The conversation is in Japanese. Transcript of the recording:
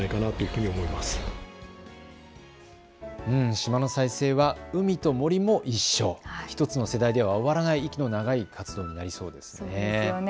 島の再生は海と森も一緒、１つの世代では終わらない息の長い活動になりそうですね。